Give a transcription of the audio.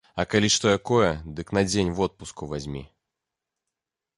А калі што якое, дык на дзень водпуску вазьмі.